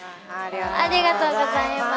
ありがとうございます。